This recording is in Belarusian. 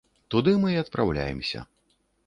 Туды мы і адпраўляемся.